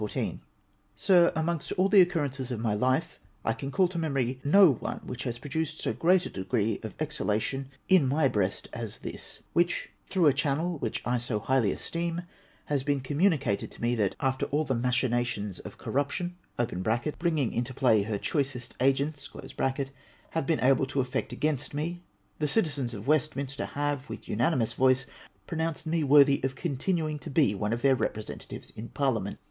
8iR, — Amongst all the occurrences of my life, I can call to memory no one which has produced so great a degree of ex idtation in my breast as this, which, through a channel which I so highly esteem, has been communicated to me, that, after all the machinations of corruption (bringing into play her RE ELECTION OF LORD COCHRANE. 451 choicest agents) have been able to effect against me, the citizens of Westminster have, with unanimous voice, pro nounced me worthy of continuing to be one of their repre sentatives in Parliament.